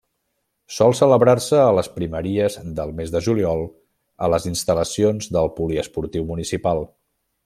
Sol celebrar-se a les primeries del mes de juliol a les instal·lacions del Poliesportiu Municipal.